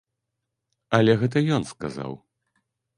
Але гэта ён сказаў.